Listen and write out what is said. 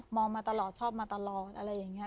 มาตลอดชอบมาตลอดอะไรอย่างนี้